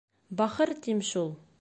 — Бахыр тим шул.